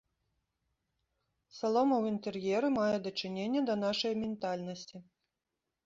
Салома ў інтэр'еры мае дачыненне да нашай ментальнасці.